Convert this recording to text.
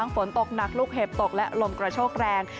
ฝนตกหนักลูกเห็บตกและลมกระโชกแรง